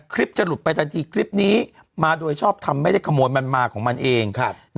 คลิปจะหลุดไปทันทีคลิปนี้มาโดยชอบทำไม่ได้ขโมยมันมาของมันเอง